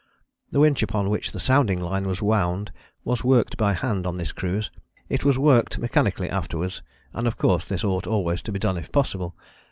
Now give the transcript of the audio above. The winch upon which the sounding line was wound was worked by hand on this cruise. It was worked mechanically afterwards, and of course this ought always to be done if possible.